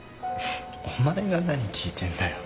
お前が何聞いてんだよ。